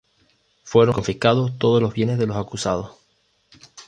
Fueron confiscados todos los bienes de los acusados.